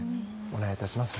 お願いいたします。